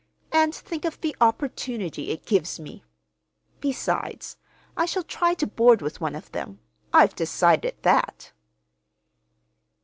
And think of the opportunity it gives me! Besides, I shall try to board with one of them. I've decided that."